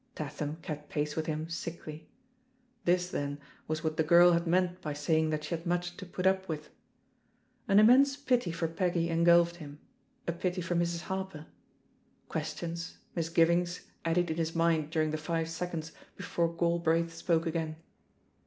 Tatham kept pace with him sickly. This, then, was what the girl had meant by saying that she had much to put up with. An immense pity for Peggy engulfed him. a pity for Mrs. Harper. Questions, misgivings eddied in his mind during the five seconds before Galbraith spoke again.